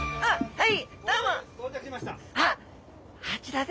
はい。